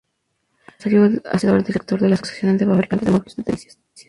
Como empresario ha sido director de la Asociación de Fabricantes de Muebles de Delicias.